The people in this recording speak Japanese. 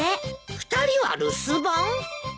２人は留守番？